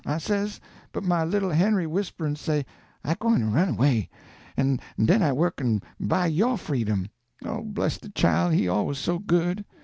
I says. But my little Henry whisper an' say 'I gwyne to run away, an' den I work an' buy yo' freedom' Oh, bless de chile, he always so good!